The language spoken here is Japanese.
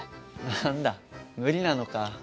何だ無理なのか。